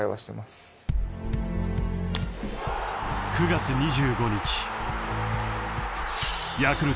［９月２５日］